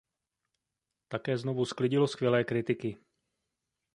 Také znovu sklidilo skvělé kritiky.